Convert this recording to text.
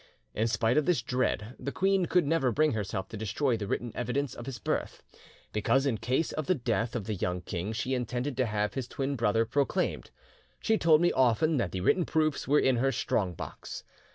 "'In spite of this dread, the queen could never bring herself to destroy the written evidence of his birth, because in case of the death of the young king she intended to have his twin brother proclaimed. She told me often that the written proofs were in her strong box.